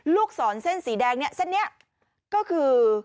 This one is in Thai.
ลูกศรเส้นสีแดงเนี่ยเส้นนี้ก็คือ